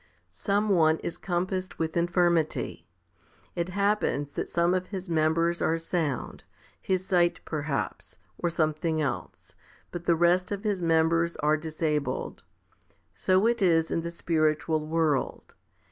7. Some one is compassed with infirmity. It happens that some of his members are sound, his eyesight perhaps, or something else, but the rest of his members are disabled. So it is in the spiritual world.